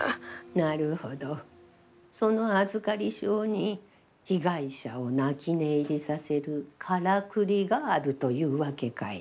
なるほどその預かり証に被害者を泣き寝入りさせるからくりがあるというわけかい。